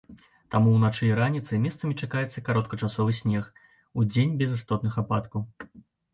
Таму ўначы і раніцай месцамі чакаецца кароткачасовы снег, удзень без істотных ападкаў.